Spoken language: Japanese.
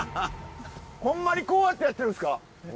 ホンマにこうやってやってるんですか？